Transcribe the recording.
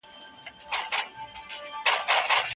اسلام یو معتدل او پوره دین دی.